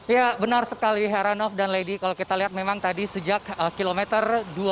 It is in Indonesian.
ya benar sekali heranov dan lady kalau kita lihat memang tadi sejak kilometer dua puluh